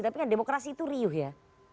tapi kan demokrasi itu riuh ya